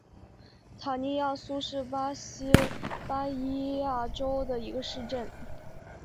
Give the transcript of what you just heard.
塔尼亚苏是巴西巴伊亚州的一个市镇。